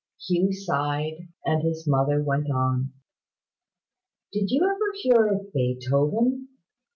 Hugh sighed, and his mother went on: "Did you ever hear of Beethoven?